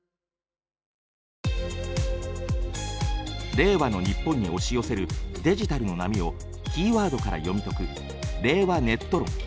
令和のニッポンに押し寄せるデジタルの波をキーワードから読み解く「令和ネット論」。